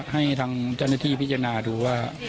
ให้ทางเจ้าหน้าที่พิจารณาดูว่า